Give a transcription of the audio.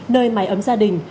nơi máy ấm gia đình